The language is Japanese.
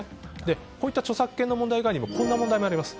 こういった著作権の問題以外にもこんな問題があります。